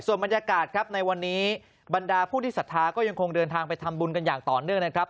ส่วนบรรยากาศครับในวันนี้บรรดาผู้ที่ศรัทธาก็ยังคงเดินทางไปทำบุญกันอย่างต่อเนื่องนะครับ